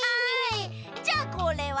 じゃあこれは？